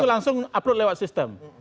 itu langsung di upload lewat sistem